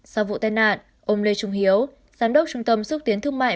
sau vụ tai nạn ông lê trung hiếu giám đốc trung tâm xúc tiến thương mại